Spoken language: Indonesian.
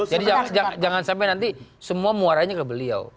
jadi jangan sampai nanti semua muaranya ke beliau